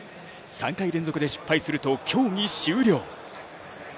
３回連続出失敗すると競技終了。